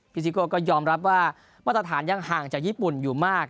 ซิโก้ก็ยอมรับว่ามาตรฐานยังห่างจากญี่ปุ่นอยู่มาก